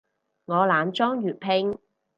我懶裝粵拼